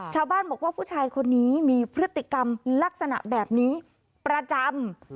ชาวบ้านบอกว่าผู้ชายคนนี้มีพฤติกรรมลักษณะแบบนี้ประจำ